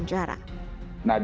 berlaku selama tujuh tahun penjara